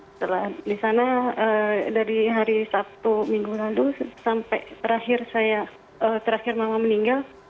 setelah di sana dari hari sabtu minggu lalu sampai terakhir saya terakhir mama meninggal